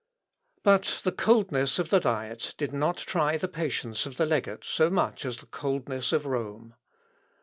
But the coldness of the Diet did not try the patience of the legate so much as the coldness of Rome.